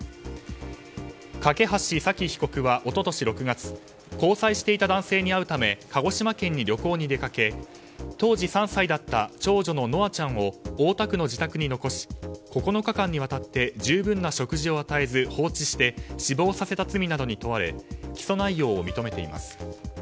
梯沙希被告は一昨年６月交際していた男性に会うため鹿児島県に旅行に出かけ当時３歳だった長女の稀華ちゃんを大田区の自宅に残し９日間にわたって十分な食事を与えず放置して死亡させた罪などに問われ起訴内容を認めています。